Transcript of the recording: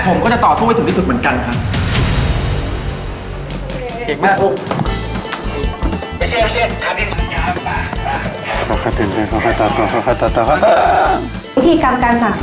เพราะว่าสิ่งของยังเกินพร้อมจิตตัวสวยทุกทีสุดครับ